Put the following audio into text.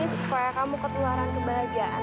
supaya kamu ketelaran kebahagiaan